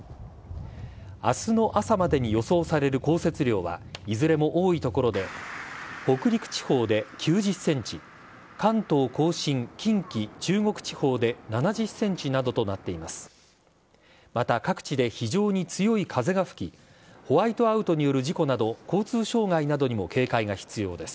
あすの朝までに予想される降雪量は、いずれも多い所で、北陸地方で９０センチ、関東甲信、近畿、中国地方で７０センチなどとなっています。